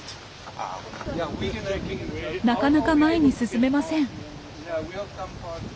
なかなか前に進めません。